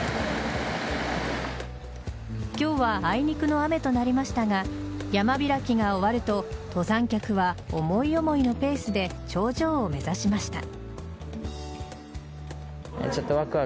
今日はあいにくの雨となりましたが山開きが終わると登山客は思い思いのペースで頂上を目指しました。